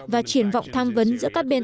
và triển vọng tham vấn giữa các bên